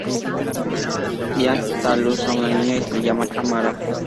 Bianca da a luz a una niña, y la llaman Amara.